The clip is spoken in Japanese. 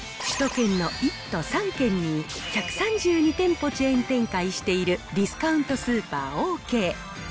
首都圏の１都３県に１３２店舗チェーン展開しているディスカウントスーパー、オーケー。